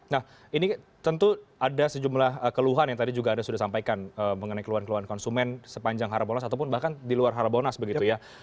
nah ini tentu ada sejumlah keluhan yang tadi juga anda sudah sampaikan mengenai keluhan keluhan konsumen sepanjang harbonas ataupun bahkan di luar harbonas begitu ya